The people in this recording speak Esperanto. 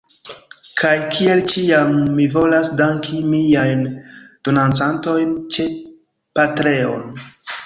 Kaj kiel ĉiam mi volas danki miajn donancantojn ĉe Patreon.